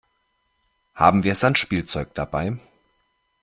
Haben wir Sandspielzeug dabei?